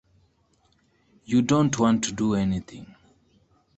You don't want to do anything?